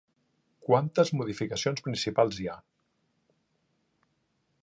Quantes modificacions principals hi ha?